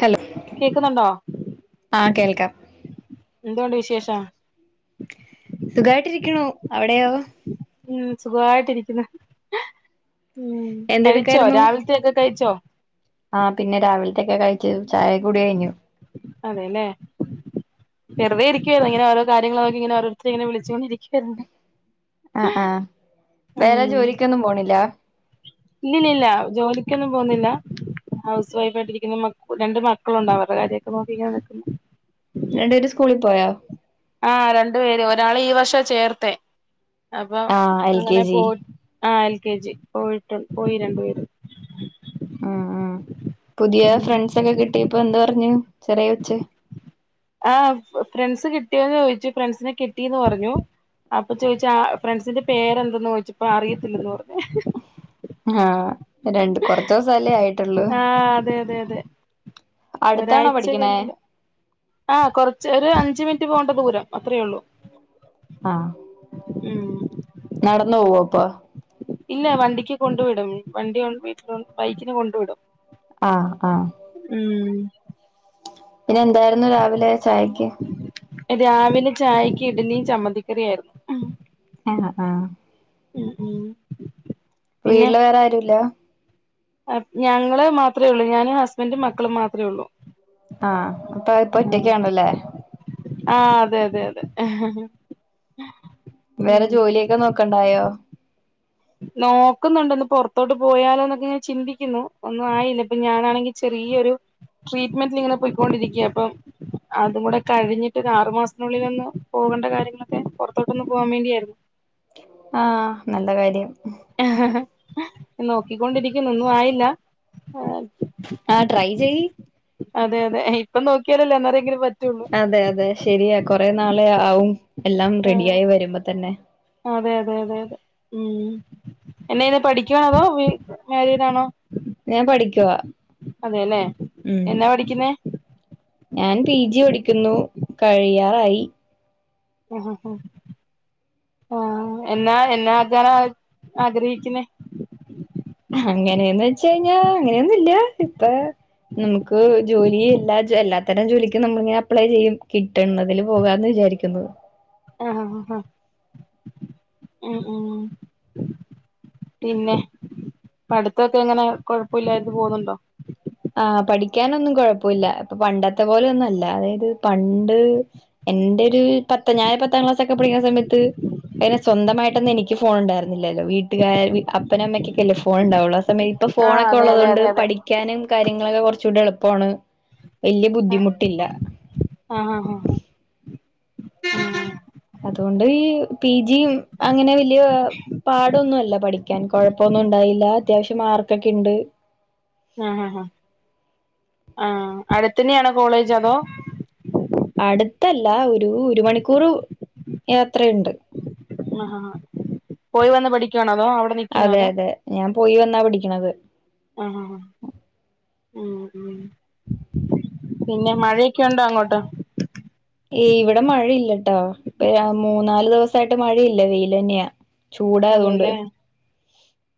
Hello കേക്കുന്നുണ്ടോ ആഹ് കേൾക്കാം എന്തുണ്ട് വിശേഷം സുഖമായിട്ടിരിക്ക്ണു അവിടെയോ ഉം സുഖായിട്ടിരിക്ക്ണ് എന്തെടുക്കായിര്ന്നു ഒക്കെ കഴിച്ചോ ആ പിന്നെ രാവിൽത്തേക്കൊക്കെ ആക്കി ചായക്കുടി കഴിഞ്ഞു അതെ ല്ലേ വെറുതെ ഇരിക്കായിരുന്നു ഇങ്ങനെ ഓരോ കാര്യങ്ങള് നോക്കി ഇങ്ങെനെ ഓരോരുത്തര് ഇങ്ങനെ വിളിച്ചൊണ്ടിരിക്കുവായിരുന്നു ആഹ് ആഹ് വേറെ ജോലിക്കൊന്നും പോണില്ല ഇല്ലില്ല ജോലിക്കൊന്നും പോവുന്നില്ല ഹൗസ് വൈഫ് ആയിട്ടിരിക്കുന്നു രണ്ട് മക്കളുണ്ടവരുടെ കാര്യ ഒക്കെ നോക്കി ഇങ്ങനെ നിക്കുന്നു രണ്ട് പേരും സ്കൂളിൽ പോയോ ആഹ് രണ്ടു പേര് ഒരാളെ ഈ വർഷം ചേർത്ത് അപ്പം ആ എൽ കെ അങ്ങനെ ജി പോ ആ എൽ കെ ജി പോയിട്ടു പോയി രണ്ടു പേരും ആഹ് ആഹ് പുതിയ ഉം ഫ്രണ്ട്സൊക്കെ കിട്ടിയപ്പോ എന്ത് പറഞ്ഞു ചെറിയ കൊച്ച് ആഹ് ഫ്രണ്ട്സ് കിട്ടിയോന്ന് ചോയിച്ച് ഫ്രണ്ട്സിനെ കിട്ടിന്ന് പറഞ്ഞു അപ്പൊ ചോയിച്ച് ആ ഫ്രണ്ട്സിന്റെ പേരെന്തെന്ന് ചോയിച്ചപ്പോ അറിയത്തില്ലന്ന് പറഞ്ഞ് ആഹ് രണ്ട് കൊറച്ച് ദിവസല്ലേ ആയിട്ടുള്ളൂ ആഹ് അതെ അതെ അതെ അടുത്താണോ ഒരാഴ്ച പഠിക്ക്ണേ കഴിഞ്ഞല്ല ആഹ് കുറച്ച് ഒരു അഞ്ച് മിനിറ്റ് പോവേണ്ട ദൂരം അത്രേ ഉള്ളൂ ആഹ് ഉം നടന്ന് പോവോ അപ്പൊ ഇല്ല വണ്ടിക്ക് കൊണ്ടു വിടും വണ്ടിയു വീട്ടിലും ബൈക്കിന് കൊണ്ടു വിടും ആഹ് ആഹ് ഉം പിന്നെ എന്തായിരുന്നു രാവിലെ ചായക്ക് രാവിലെ ചായക്ക് ഇഡലിം ചമ്മന്തിക്കറിയായിരുന്നു ആണോ ആഹ് ഉം ഉം ഇപ്പം പിന്നെ വീട്ടില് വേറെ ആരും ഇല്ല ഞങ്ങള് മാത്രേ ഉള്ളൂ ഞാന് ഹസ്ബൻഡും മക്കളും മാത്രേ ഉള്ളു ആഹ് അപ്പൊ ഇപ്പൊ ഒറ്റക്കാണല്ലേ ആഹ് അതെ അതെ അതെ വേറെ ഉം ജോലിയൊക്കെ നോക്കണ്ടായോ നോക്കുന്നുണ്ട്ന്ന് പൊറത്തോട്ട് പോയാലോ എന്നൊക്കെ ചിന്തിക്കുന്നു ഒന്നും ആയില്ല ഇപ്പൊ ഞാാനാണെങ്കി ചെറിയൊരു ട്രീറ്റ്മെന്റിലിങ്ങനെ പോയിക്കൊണ്ടിരിക്ക അപ്പം അതും കൂടെ കഴിഞ്ഞിട്ട് ഒര് ആറു മാസത്തിനുള്ളിലൊന്ന് പോവേണ്ട കാര്യങ്ങളൊക്കെ പൊറത്തോട്ടൊന്ന് പോവാൻ വേണ്ടിയായിരുന്നു ആഹ് നല്ല കാര്യം നോക്കിക്കൊണ്ടിരിക്കുന്നു ഒന്നും ആയില്ല ആഹ് ട്രൈ ചെയ്യ് അതെ അതെ ഇപ്പം നോക്കിയാലല്ലേ അന്നേരെങ്കിലും പറ്റുള്ളൂ അതെ അതെ ശരിയാ കൊറേ നാളെയാവും എല്ലാം ആഹ് റെഡിയായി വരുമ്പം തന്നെ അതെ അതെ അതെ അതെ ഉം എന്നാ ചെയ്യുന്നെ പഠിക്കുവാണോ അതോ മാരീഡാണോ ഞാൻ പഠിക്കുവാ അതേലെ ഉം എന്നാ പഠിക്കുന്നേ ഞാൻ പി ജി പഠിക്കുന്നു കഴിയാറായി ആ എന്നാ എന്നാ ആക്കാന ആഗ്രഹിക്കുന്നേ അങ്ങനെയൊന്ന് വെച്ചയിഞ്ഞാ അങ്ങനെയൊന്നുല്ല ഇപ്പാ നമുക്ക് ജോലി എല്ലാ എല്ലാത്തരം ജോലിക്കും നമ്മളിങ്ങനെ അപ്ലൈ ചെയ്യും ട്ടുന്നതില് പോകാന്ന് വിചാരിക്കുന്നു ആ ആ ഹ ഹ ഉം ഉം പിന്നെ പഠുത്തൊക്കെ എങ്ങനെ കൊഴപ്പല്ലാതെ പോന്നുണ്ടോ ആഹ് പഠിക്കാനൊന്നും കൊഴപ്പേല്ല പ്പൊ പണ്ടത്തെ പോലെയൊന്നും അല്ല അതായത് പണ്ട് എന്റെ ഒരു പത്ത് ഞാൻ പത്താം ക്ലാസ് ഒക്കെ പഠിക്കുന്ന സമയത്ത് അയിന് സ്വന്തമായിട്ടൊന്നും എനിക്ക് ഫോൺ ഇണ്ടാർന്നില്ലല്ലോ വീട്ടുകാ അപ്പന് അമ്മക്കൊക്കെല്ലേ ഫോൺ ഉണ്ടാവുള്ളു [unintelligible] ഇപ്പൊ ആഹ് ഫോണൊക്കെ അതെ ഉള്ളത് അതെ കൊണ്ട് അതെ അതെ പഠി ക്കാനും കാര്യങ്ങളൊക്കെ കുറച്ചൂടെ എളുപ്പാണ് വലിയ ബുദ്ധിമുട്ടില്ല ആഹ് ആഹ് ആഹ് അതുകൊണ്ട് പി ജിയും അങ്ങനെ വലിയ പാടൊന്നുഅല്ല പഠി ക്കാൻ കുഴപ്പൊന്നുണ്ടായില്ല അത്യാവിശ്യം മാർക്കൊക്കെണ്ട് ആ ആ ആ ആഹ് അടുത്ത് തന്നെയാണോ കോളേജ് അതോ അടുത്തല്ല ഒരു ഒരു മണിക്കൂർ യാത്രയുണ്ട് ആഹ ഹാ പോയി വന്ന് പഠിക്കുവാണോ അതോ അവിടെ നി അതെ അതെ ഞാൻ പോയി വന്നാ പഠിക്ക്ണത് ആഹാ ഹാ ഉം ഉം പിന്നെ മഴയൊക്കെ ഉണ്ടോ അങ്ങോട്ട് ഏയ്‌ ഇവടെ മഴയില്ലട്ടോ മൂന്നാല് ദിവസായിട്ട് മഴയില്ല വെയിലന്നെയാ ചൂടായതുകൊണ്ട് അതെല്ലേ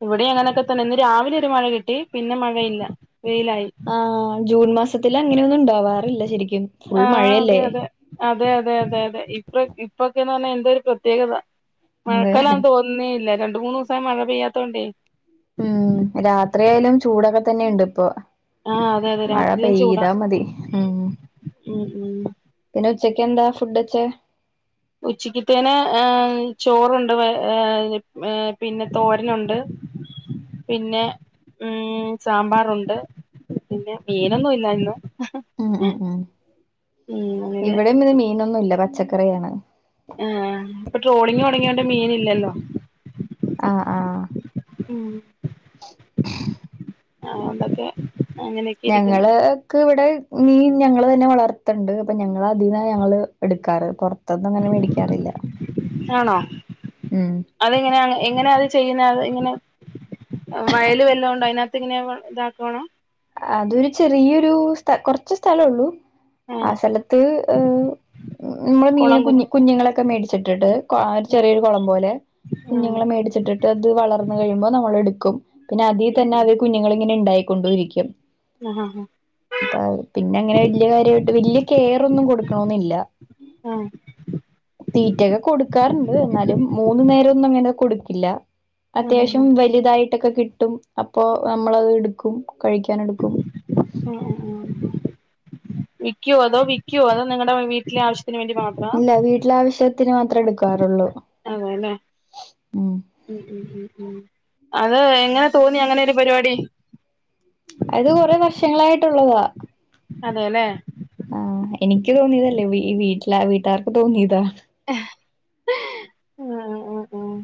ഇവിടെയും അങ്ങനെയൊക്കെ തന്നെ ഇന്ന് രാവിലെ ഒരു മഴ കിട്ടി പിന്നെ മഴയില്ല വെയിലായി ആ ജൂൺ മാസത്തില് അങ്ങനെയൊന്നും ഉണ്ടാവാറില്ല ശെരിക്കും ആഹ് അതെ അതെ അതെ അതെ അതെ അതെ ഇപ്പ ഇപ്പൊക്കെന്ന് പറഞ്ഞാൽ എന്ത ഒരു പ്രത്യേകത അതെ മഴക്കാലാന് തോന്ന ന്നെല്ലാ രണ്ട് മൂന്ന് ദൂസായി മഴ പെയ്യാത്തോണ്ടേയ് ഉം രാത്രിആയാലും ചൂടൊക്കെ തന്നെണ്ട് ഇപ്പൊ ആഹ് അതെ അതെ മഴ രാത്രിയും ചൂടാ പെയ്താ മതി ഉം ഉം ഉം പിന്നെ ഉച്ചക്ക് എന്താ ഫുഡ്ച്ചെ ഉച്ചക്ക്ത്തേനെ ഏ ചോറ്ണ്ട് പ ഏ ഏ പിന്നെ തോരനുണ്ട്. പിന്നെ ഉം സാമ്പാറുണ്ട്, പിന്നെ മീനൊന്നും ഇല്ലായിന്ന് ഉം ഉം ഉം ഉം അങ്ങനെ ഇവിടെയും ഇത് മീനൊന്നുല്ല പച്ചക്കറിയാണ് ആഹ് ആ ആ ഇപ്പൊ ട്രോളിങ് തുടങ്ങിയോണ്ട് മീന് ഇലെന്നും ആഹ് ആ ആഹ് [inaudible] [unintelligible] ആടൊകെ [unintelligible] ഞങ്ങള് ക്ക് ഇവടെ മീൻ ഞങ്ങൾ തന്നെ വളർത്ത്ണ്ട് അപ്പൊ ഞങ്ങൾ അതീന്നാ ഞങ്ങള് എടുക്കാറ് പൊ ത്ത്നൊന്നും അങ്ങനെ മേടിക്കാറില്ല ആണോ? ഉം അതെങ്ങനെയാ എങ്ങനെ അത് ചെയ്യ്നാതെങ്ങനെ വയല് വല്ലേ ഉണ്ടോ അതിനാത്ത് ഇങ്ങനെ ഇതാക്കണോ അതൊരു ചെറിയൊരു സ്ഥ കൊറച്ച് സ്ഥലംള്ളൂ ആ ആഹ് സ്ഥലത്ത് ഏഹ് നമ്മള് മീന് കുളം കുത്തി കുഞ് കുഞ്ഞുങ്ങളൊക്കെ മേടിച്ചിട്ടിട്ട് കൊ ഒരു ചെറിയൊരു കൊളം പോലെ ആഹ് കുഞ്ഞുങ്ങളെ മേടിച്ചിട്ട് ട്ടത് വളർന്ന് കഴിയുമ്പോ നമ്മളെടുക്കും പിന്നെ അതിതന്നെ അത് കുഞ്ഞുങ്ങള് ഇങ്ങനെ ഇണ്ടായിക്കൊണ്ട് രിക്കും ഹാ ഹാ അപ്പ പിന്നെങ്ങനെ വെല്ല്യേ കാര്യയിട്ട് വെല്ല്യേ കെയറൊന്നും കൊടുക്കണോന്നില്ല ആഹ് തീറ്റൊക്കെ കൊടുക്കാറ്ണ്ട് എന്നാലും മൂന്നു നേരം ഒന്നും അങ്ങനെ കൊടുക്കില്ല ആഹ് ആഹ് അത്യാവശ്യം ആഹ് വലുതായിട്ടൊക്കെ കിട്ടും അപ്പോ നമ്മളത് ഇട്ക്കും കഴിക്കാൻ ഇട്ക്കും ഏഹ് ഏഹ് ഏഹ് വിക്കോ അതോ വിക്കോ അതോ നിങ്ങടെ വീട്ടിലെ ആവശ്യത്തിന് വേണ്ടി മാ ഇല്ല വീട്ടിലെ ആവശ്യത്തിന് മാത്രേ എടുക്കാറുള്ളൂ അതെല്ലേ ഉം ഉം ഉം ഉം അത് എങ്ങനെ തോന്നി അങ്ങനെ ഒരു പരിപാടി അത് കുറെ വർഷങ്ങളായിട്ടുള്ളതാ അതെലെ ആഹ് എനിക്ക് തോന്നിയതല്ല വീ വീട്ടിലാ വീട്ടാർക്ക് തോന്നിയതാ ആഹ് ആഹ് ആഹ് ആഹ്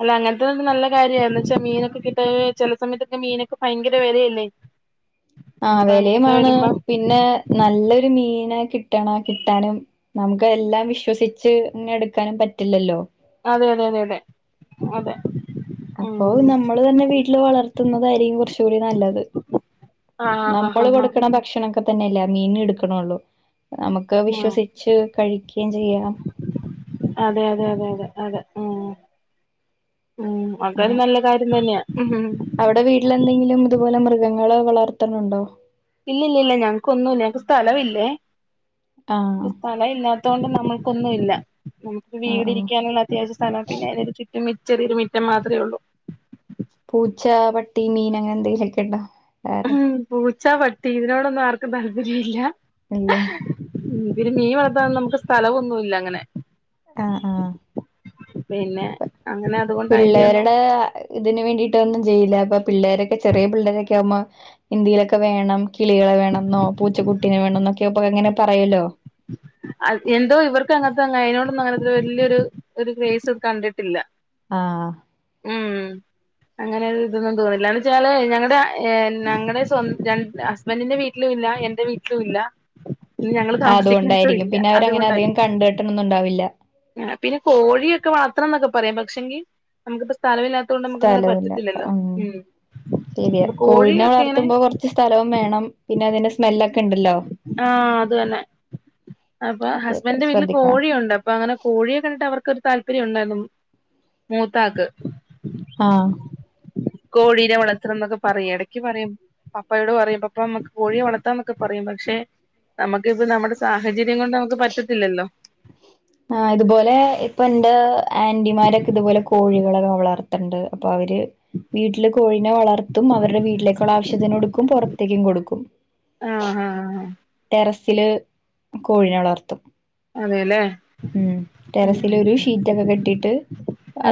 അല്ല അങ്ങൻത്തെന്ന നല്ല കാര്യന്ന് എന്താച്ചാ മീനൊക്കെ കിട്ടാ ചില സമയത്തൊക്കെ മീനൊക്കെ ഫയങ്കര വെലയല്ലേ? ആഹ് വെലയുമാണ് പിന്നെ നല്ലൊരു മീന് കിട്ട്ണെ കിട്ടാനും നമുക്ക് എല്ലാം വിശ്വസിച്ച് ഇങ്ങനെ എടുക്കാനും പറ്റില്ലല്ലോ? അതെ അതെ അതെ അതെ അപ്പോ ഉം നമ്മള് തന്നെ വീട്ടില് വളർത്തുന്നതായിരിക്കും കൊർച്ചു കൂടി നല്ലത് ആഹ് ഹാ ഹാ നമ്മള് ഹാ കൊടുക്ക്ണ ഭക്ഷണ ക്കെ തന്നെല്ലേ മീൻ എടുക്ക്ണോള്ളൂ നമക്ക് ഉം വിശ്വസിച്ച് കഴിക്കിം ചെയ്യാ അതെ അതെ അതെ അതെ അതെ ഉം ഉം അതൊരു അങ്ങനെ നല്ല കാര്യം തന്നെയാ ഉം അവിടെ വീട്ടിലെന്തെങ്കിലും ഇതുപോലെ മൃഗങ്ങളെ വളർത്ത്ണ് ണ്ടോ? ഇല്ല ഇല്ല ഇല്ല ഞങ്ങക്ക് ഒന്നു ഇല്ല ഞങ്ങക്ക് സ്ഥലും ഇല്ലേ ആഹ് [unintelligible] ല്ലാത്തോണ്ട് നമ്മുക്കൊന്നു ഇല്ല നമുക്ക് ആഹ് ആഹ് വീടിരിക്കാനുള്ള അത്യാവശ്യം സ്ഥലം പിന്നെ [unintelligible] ഒരു ചുറ്റും മിച്ചെറില് മിറ്റം മാത്രേ ഒള്ളൂ പൂച്ച, പട്ടി, മീന് അങ്ങനെ എന്തെങ്കിലുക്കെ ഉണ്ടോ വേറെ പൂച്ച, പട്ടി ഇതിനോടൊന്നും ആർക്കും താല്പര്യം ഇല്ല ഇല്ലേ ഉം പിന്നെ മീൻ വളർത്താൻ നമുക്ക് സ്ഥലമൊന്നുമില്ല അങ്ങനെ ആഹ് ആഹ് പിന്നെ അങ്ങനെ അതുകൊണ്ട് അതിന്റെയൊന്നും പിള്ളേരുടെ ഇതിന് വേണ്ടിട്ട് ഒന്നും ചെയ്യില്ല അപ്പ പിള്ളേരൊക്കെ ചെറിയ പിള്ളേരൊക്കെ ആവുമാ എന്തെലൊക്കെ വേണം കിളികളെ വേണെന്നോ, പൂച്ചക്കുട്ടീനെ വേണന്നോ എന്നൊക്കെപ്പ ഇങ്ങനെ പറയല്ലോ എന്തോ ഇവർക്ക് അങ്ങൻത്തെ അതിനോടൊന്നും അങ്ങനത്തെ വല്യൊരു ഒരു ക്റെസസ്‌ കണ്ടിട്ടില്ല ആഹ് ഉം അങ്ങനെ ഇതൊന്നും തോന്നില്ലന്ന് എന്നച്ചാല് ഞങ്ങളുടെ ഞങ്ങളെ സ്വ ര ഹസ്ബന്റിന്റെ വീട്ടിലു ഇല്ല എന്റെ വീട്ടിലു ഇല്ല [unintelligible] ഞങ്ങള് താമസിക് ഉണ്ടായിരിക്കും പിന്നെ അവര് അങ്ങനെ അധികം കണ്ടിട്ടോന്നും ഇണ്ടാവില്ല പിന്നെ കോഴിയൊക്കെ വളർത്തണം എന്നൊക്കെ പറയാം പക്ഷെങ്കി നമുക്ക്പ്പം സ്ഥലമില്ലാത്ത ത്തോണ്ട് നമുക്ക് ഇങ്ങനെ പറ്റത്തില്ലല്ലോ ഉം പ്പ കോഴിയൊക്കെ ഇങ്ങനെ. സ്ഥലം വേണം പിന്നെ അതിന്റെ സ്മെല്ലൊക്കെ ഇണ്ടല്ലോ. ആഹ് അത് തന്നെ അപ്പൊ അതൊക്കെ ഹസ്ബൻഡന്റെ വീട്ടില് ശ്രദ്ധിക്കണം കോഴിയുണ്ട് അ അപ്പൊ അങ്ങനെ കോഴിയെ കണ്ടിട്ട് അവർക്കരു താല്പര്യം ഉണ്ടായിരുന്നു മൂത്താക്ക്. ആഹ്. കോഴീനെ വളർത്തണം ന്നൊക്കെ പറയും എടക്ക് പറയും. പപ്പയോട് പറയും പപ്പ മ്മക്ക് കോഴിയെ വളർത്താന്നൊക്കെ പറയും പക്ഷെ. നമ്മക്ക് ഇപ്പം നമ്മുടെ സാഹചര്യം കൊണ്ട് നമുക്ക് പറ്റത്തില്ലല്ലോ. ആഹ് ഇതുപോലെ ഇപ്പം എന്റെ ആന്റിമാരൊക്കെ ഇതുപോലെ കോഴികളൊക്കെ വളർത്തണ്ട്. അപ്പൊ അവര്. വീട്ടില് കോഴിനെ വളർത്തും അവരുടെ വീട്ടിലേക്കുള്ള ആവശ്യത്തിന് എടുക്കും പൊറത്തേക്കും കൊടുക്കും. ആഹഹ് ആഹ്. ടെറസില് കോഴിനെ വളർത്തും. അതെല്ലേ. ഉം ഉം ടെറസില് ഉം ഒരു ഷീറ്റൊക്കെ കെട്ടീട്ട്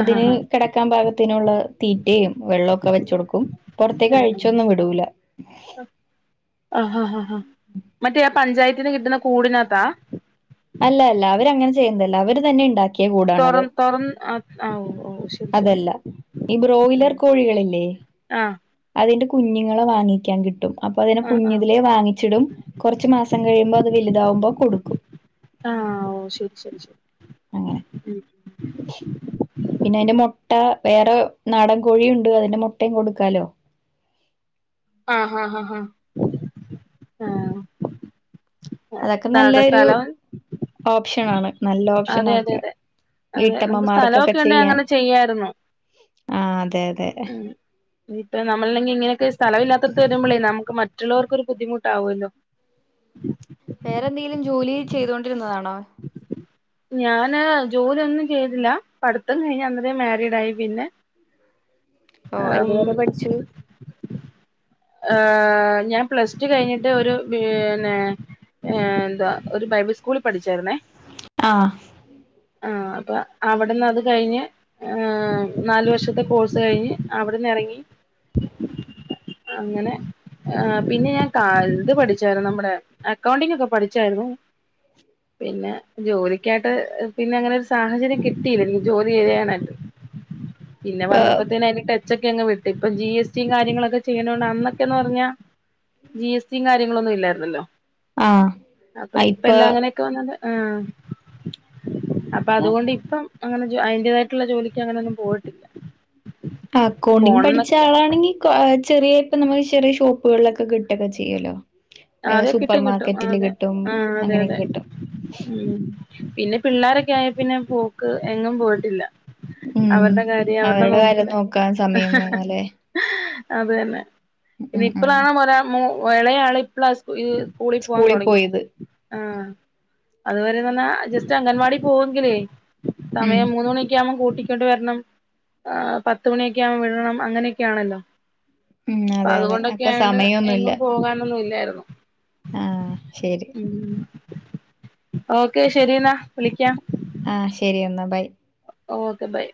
ആഹ് ആഹ് കട. ക്കാൻ പാകത്തിനുള്ള തീറ്റയും വെള്ളൊക്കെ വെച്ച്ടുക്കും. പൊറത്തേക്ക് ഉം ഉം അഴിച്ചൊന്നും വിടൂല. അഹ ഹ ഹ മറ്റേ ആ പഞ്ചായത്തിന്ന് കിട്ടുന്ന കൂടിനകത്താ. അല്ലല്ല അവര് അങ്ങനെ ചെയ്യുന്നല്ല അവര് തന്നെ ഇണ്ടാ തൊറ തൊറന്ന് ആ ആ ഓ ഓ ശ്. അതല്ല ഈ ബ്രോയിലർ കോഴികളില്ലേ. ആഹ് അതിന്റെ കുഞ്ഞുങ്ങളെ വാങ്ങിക്കാൻ കി ട്ടും അപ്പൊ അതിനെ ആഹ് ആഹ് കുഞ്ഞ്തിലെ വാങ്ങിച്ചിടും കൊറച്ച് മാസം കഴിയുമ്പോ അത് വലുതാകുമ്പോൾ കൊടുക്കും. ആഹ് ഓ ശരി ശരി ശരി. അങ്ങനെ ഉം പിന്നെ അയിന്റെ മൊട്ട വേറെ നാടൻ കോഴിയുണ്ട് അതിന്റെ മുട്ടയും കൊടുക്കാലോ. ആഹ് ആഹ് ഹ ഹ ആ. അതൊക്കെ നല്ലൊരു ഓപ്ഷനാണ്. നല്ല ഓപ്ഷന അതെ അതെ ആക്കെ അതെ അതെ നമുക്ക് വീട്ടമ്മമാർക്കൊക്കെ സ്ഥലമൊക്കെ ഉണ്ടെ ചെയ്യാൻ. അങ്ങനെ ചെയ്യായിരുന്നു ആഹ് അതെ അതെ. ഇപ്പം നമ്മളെങ്കിൽ ഇങ്ങനൊക്കെ സ്ഥലവില്ലാത്തടത്ത് വരുമ്പളെ നമുക്ക് മറ്റുള്ളവർക്ക് ഒരു ബുദ്ധിമുട്ടാവുല്ലോ. ഉ [unintelligible] വേറെ എന്തെങ്കിലും ജോലി ചെയ്തോണ്ടിരുന്നതാണോ. [unintelligible] ഞാന് ജോലി ഒന്നും ചെയ്തില്ല പഠിത്തം കഴിഞ്ഞ് വന്നതേ മാരീഡായി പിന്നെ. ഓ ആം, എതുവരെ പഠിച്ചു. അഹ് ഞാൻ പ്ലസ് ടു കഴിഞ്ഞിട്ട് ഒരു പീ ന്നെ. ഏ എന്തുവ ഒരു ബൈബിൾ സ്കൂളിൽ പഠിച്ചായിരുന്നേ. അഹ് ആഹ് അപ്പൊ അവടന്ന് അത് കഴിഞ്ഞ്. അഹ് നാലു വർഷത്തെ കോഴ്സ് കഴിഞ്ഞ് അവടന്ന് എറങ്ങി. അങ്ങനെ. ആഹ് പിന്നെ ഞാൻ കാ ഇത് പഠിച്ചായിരുന്നു നമ്മുടെ അകൗണ്ടിങ്ങ് ഒക്കെ പഠിച്ചായിരുന്നു. [unintelligible] പിന്നെ ജോലിക്കായ്ട്ട് പിന്നെ അങ്ങനെ ഒരു സാഹചര്യം കിട്ടില്ല ഇനി ജോലി ചെയ്യാണേ പിന്നെ ഇപ്പ വന്നപ്പോത്തേന്നെ അതിന്റെ ടച്ചൊക്കെ അങ്ങ് വിട്ട് ഇപ്പം ജി എസ് ടിം കാര്യങ്ങളൊക്കെ ചെയ്യ്ണോണ്ട് അന്നൊക്കെന്ന് പർഞ്ഞ ജി എസിം കാര്യങ്ങളൊന്നും ഇല്ലായിരുന്നല്ലോ. ആ അപ്പൊ ഇപ്പ എല്ലാം അങ്ങനെ ഇപ്പ വന്നത് ആഹ് അപ്പൊ ഞാൻ അതുകൊണ്ട് ഇപ്പം അങ്ങനെ അയ്ന്റേതായിട്ട്ള്ള ജോലിക്കങ്ങെനൊന്നും പോയിട്ടില്ല. അക്കൗണ്ടിംഗ് പഠിച്ച പോണംന്നൊക്കെ ആളാണെങ്കി ചെറിയ ഇപ്പൊ നമ്മള് ചെറിയ ഷോപ്പുകൾലൊക്കെ കിട്ടൊക്കെ ചെയ്യല്ലോ. ഏഹ് അതെ കിട്ടും കിട്ടും സൂപ്പർമാർക്കറ്റില് അതെ കിട്ടും ആഹ് അതെ അങ്ങനെയൊക്കെ അതെ കിട്ടും. ഉം പിന്നെ പിള്ളേരൊക്കെ ആയ പിന്നെ പോക്ക് എങ്ങും പോയിട്ടില്ല. ഉം അവര്ടെ കാര്യം അവര്ടെ അവരുടെ കാര്യം നോക്ക്ല്. നോക്കാൻ സമയം വേണല്ലേ അതന്നെ ഇനി ഉം ഉം ഇപ്ലാണ് ഒരാ മു ഇളയാള് ഇപ്ല ഈ സ് കൂളി പോവാൻ സ്കൂളിൽ തൊടങ്ങി. പോയത് ആഹ് അതുവരെന്നർഞ്ഞാ ജസ്റ്റ് അംഗൻവാടി പോവങ്കിലേ ഉം സമയം മൂന്ന്മണി. ക്ക്യാവുമ്പോം കൂട്ടിക്കൊണ്ട് വര്ണം ഏഹ് പത്ത് മണിയൊക്കെ ആവുമ്പോ വിടണം അങ്ങനെയൊക്കെയാണല്ലോ? ഉം അപ്പ അതെ അതെ അതുകൊണ്ടൊക്കെ അപ്പൊ ആണ്ട് സമയൊന്നുല്ല എങ്ങും പോകാനൊന്നും ഇല്ലായിരുന്നു. ആഹ് ശരി. ഉം ഓക്കെ ശരിന്നാ വിളിക്കാം. ആഹ് ശരിന്നാ ബൈ. Okay by